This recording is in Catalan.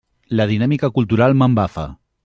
La dinàmica cultural m'embafa.